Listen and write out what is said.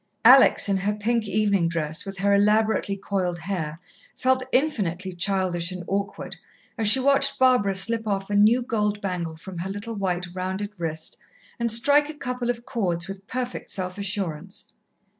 Alex, in her pink evening dress, with her elaborately coiled hair, felt infinitely childish and awkward as she watched Barbara slip off a new gold bangle from her little white, rounded wrist, and strike a couple of chords with perfect self assurance.